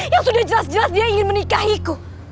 yang sudah jelas jelas dia ingin menikahiku